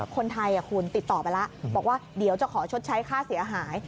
คนไทยคุณติดต่อไปแล้วบอกว่าเดี๋ยวจะขอชดใช้ค่าเสียหาย